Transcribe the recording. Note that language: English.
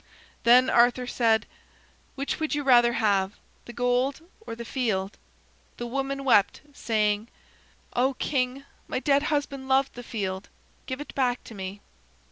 Then Arthur said: "Which would you rather have, the gold or the field?" The woman wept, saying: "Oh, King, my dead husband loved the field. Give it back to me."